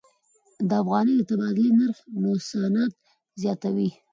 د افغانۍ د تبادلې نرخ نوسانات زیاتوي.